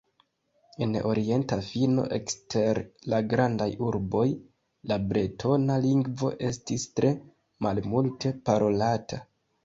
En orienta fino, ekster la grandaj urboj, la bretona lingvo estis tre malmulte parolata.